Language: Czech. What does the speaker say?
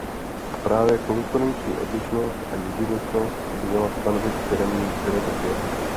A právě konkurenční odlišnost a jedinečnost by měla stanovit firemní filozofie.